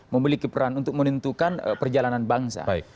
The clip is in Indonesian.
memiliki peran untuk menentukan perjalanan bangsa